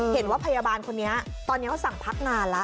เห็นว่าพยาบาลคนนี้ตอนนี้เขาสั่งพักงานแล้ว